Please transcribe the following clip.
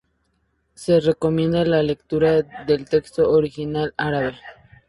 Se recomienda la lectura del texto original árabe.